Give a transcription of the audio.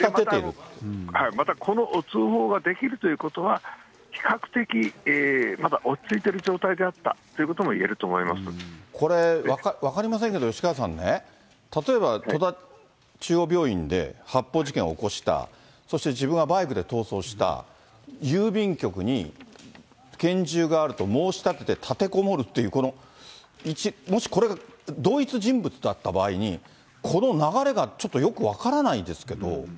またこの通報ができるということは、比較的まだ落ち着いている状態であったということもいえると思いこれ、分かりませんけど、吉川さんね、例えば戸田中央病院で発砲事件を起こした、そして自分はバイクで逃走した、郵便局に拳銃があると申し立てて、立てこもるっていう、この、もしこれが同一人物だった場合に、この流れが、ちょっとよく分からないですけど。